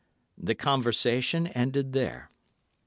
The conversation ended here.